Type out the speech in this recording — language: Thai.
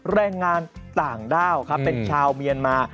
แรงงานต่างด้าวครับเป็นชาวเมียนมา